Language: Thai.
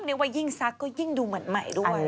เรียกว่ายิ่งซักก็ยิ่งดูเหมือนใหม่ด้วย